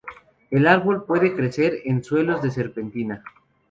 El árbol puede crecer en suelos de serpentina.